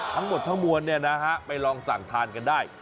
ทั้งหมดทั้งมวลไปลองสั่งทานกันได้